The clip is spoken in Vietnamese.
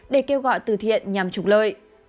để kêu gọi từ thiện nhằm trục lợi